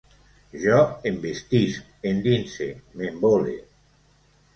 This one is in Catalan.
Jo envestisc, endinse, m'envole